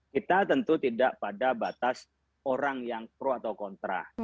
kita tentu tidak pada batas orang yang pro atau kontra